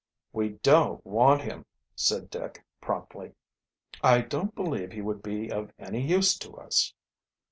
"We don't want him," said Dick promptly. "I don't believe he would be of any use to us."